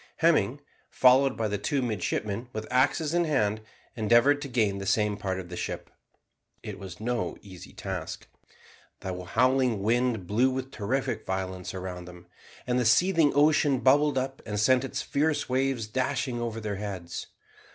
Hemming, followed by the two midshipmen with axes in hand, endeavoured to gain the same part of the ship. It was no easy task. The howling wind blew with terrific violence around them, and the seething ocean bubbled up, and sent its fierce waves dashing over their heads.